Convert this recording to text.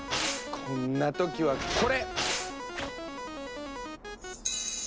こんな時はこれ！